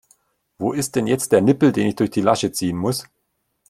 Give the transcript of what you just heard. Wo ist denn jetzt der Nippel, den ich durch die Lasche ziehen muss?